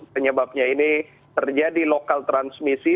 penyebabnya ini terjadi lokal transmisi